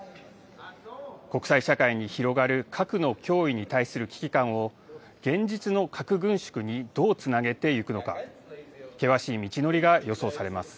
国際社会に広がる核の脅威に対する危機感を、現実の核軍縮にどうつなげてゆくのか。